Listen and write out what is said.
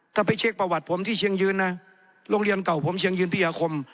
ถ้าไปเช็คประวัติผมที่เชียงยืนนะโรงเรียนเก่าผมเชียงยืนพิยาคม